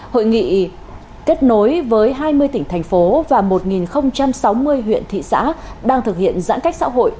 hội nghị kết nối với hai mươi tỉnh thành phố và một sáu mươi huyện thị xã đang thực hiện giãn cách xã hội